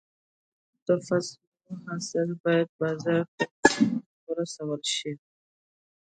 د فصلو حاصل باید بازار ته پر وخت ورسول شي.